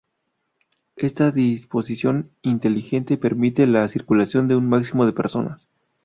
Esta disposición inteligente permite la circulación de un máximo de personas.